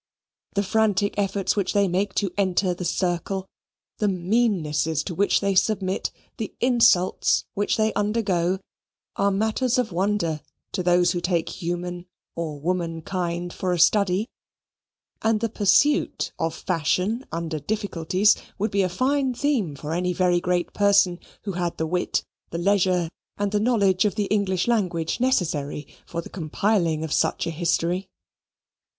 The frantic efforts which they make to enter this circle, the meannesses to which they submit, the insults which they undergo, are matters of wonder to those who take human or womankind for a study; and the pursuit of fashion under difficulties would be a fine theme for any very great person who had the wit, the leisure, and the knowledge of the English language necessary for the compiling of such a history.